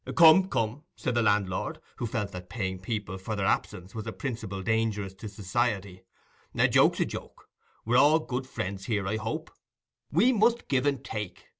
"Come, come," said the landlord, who felt that paying people for their absence was a principle dangerous to society; "a joke's a joke. We're all good friends here, I hope. We must give and take.